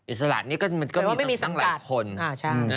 อิสระนี้ก็มีตั้งหลายคน